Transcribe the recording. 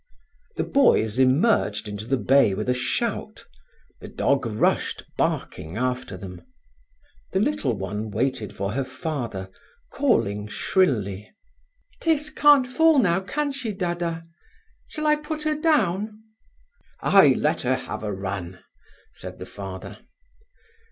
The boys emerged into the bay with a shout; the dog rushed, barking, after them. The little one waited for her father, calling shrilly: "Tiss can't fall now, can she, dadda? Shall I put her down?" "Ay, let her have a run," said the father.